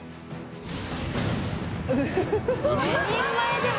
４人前でも。